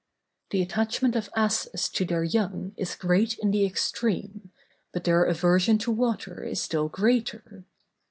The attachment of asses to their young is great in the extreme, but their aversion to water is still greater.